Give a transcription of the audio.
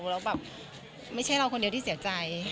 แล้วแบบไม่ใช่เราคนเดียวที่เสียใจ